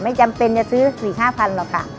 ไม่จำเป็นจะซื้อสี่ห้าพันหรอกค่ะ